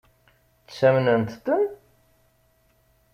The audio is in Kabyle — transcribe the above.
Ttamnent-ten?